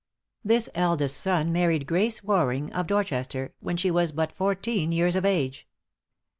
This eldest son married Grace Waring, of Dorchester, when she was but fourteen years of age.